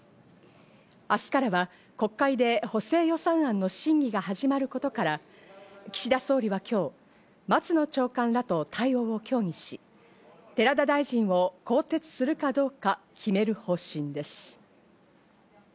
明日からは国会で補正予算案の審議が始まることから、岸田総理は今日、松野長官らと対応を協議し、寺田大臣を更迭するかどうか決める方針です。